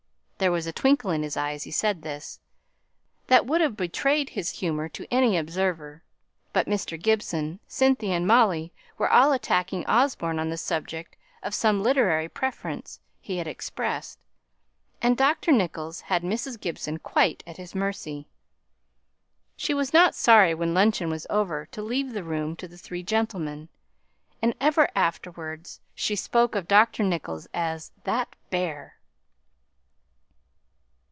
There was a twinkle in his eye as he said this, that would have betrayed his humour to any observer; but Mr. Gibson, Cynthia, and Molly were all attacking Osborne on the subject of some literary preference he had expressed, and Dr. Nicholls had Mrs. Gibson quite at his mercy. She was not sorry when luncheon was over to leave the room to the three gentlemen; and ever afterwards she spoke of Dr. Nicholls as "that bear."